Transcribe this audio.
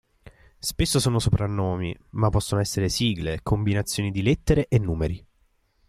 Spesso sono soprannomi, ma possono essere sigle, combinazioni di lettere e numeri.